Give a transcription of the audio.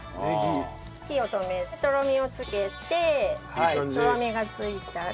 火を止めとろみをつけてとろみがついたら。